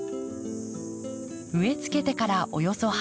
植えつけてからおよそ８か月。